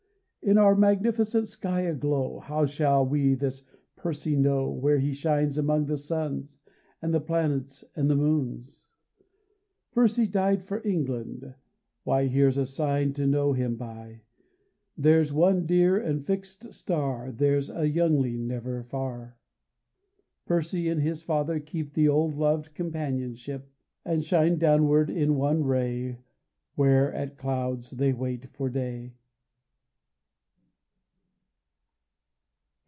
In our magnificent sky aglow How shall we this Percy know Where he shines among the suns And the planets and the moons ? Percy died for England, why, Here's a sign to know him by ! There's one dear and fixed star, There's a youngling never far. Percy and his father keep The old loved companionship, And shine downward in one ray Where at Clouds they wait for day.